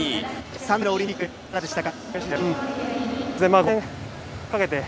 ３度目のオリンピックいかがでしたか。